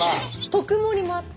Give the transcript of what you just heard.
特盛りもあって。